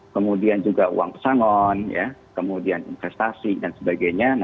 kemudian juga uang pesangon kemudian investasi dan sebagainya